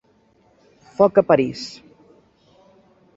Foc a París.